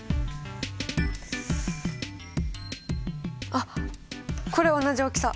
あっこれ同じ大きさ！